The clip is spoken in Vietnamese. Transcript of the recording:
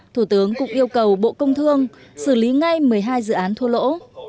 thủ tướng cũng yêu cầu bộ công thương xử lý ngay một mươi hai dự án thua lỗ